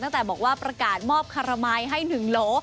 ตั้งแต่บอกว่าประกาศมอบขระไม้ให้หนึ่งโล